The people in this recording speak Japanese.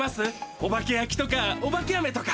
おばけやきとかおばけあめとか。